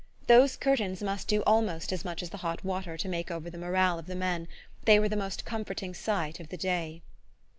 Those curtains must do almost as much as the hot water to make over the morale of the men: they were the most comforting sight of the day.